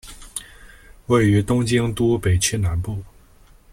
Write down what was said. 位于东京都北区南部。